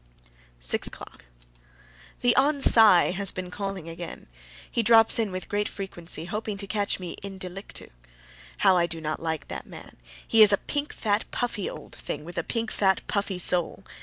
SIX O'CLOCK. The Hon. Cy has been calling again. He drops in with great frequency, hoping to catch me IN DELICTU. How I do not like that man! He is a pink, fat, puffy old thing, with a pink, fat, puffy soul.